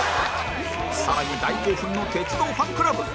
更に大興奮の鉄道ファンクラブ